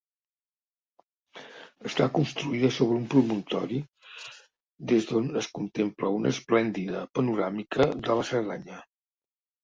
Està construïda sobre un promontori des d'on es contempla una esplèndida panoràmica de la Cerdanya.